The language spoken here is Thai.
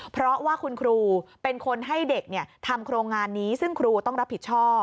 เพราะว่าคุณครูเป็นคนให้เด็กทำโครงงานนี้ซึ่งครูต้องรับผิดชอบ